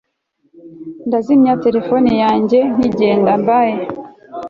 Ndazimya terefone yanjye nkigenda Bye